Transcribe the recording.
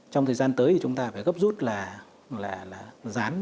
trong thời gian tới thì chúng ta phải gấp rút là rán